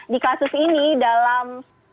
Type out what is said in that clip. di kasus ini dalam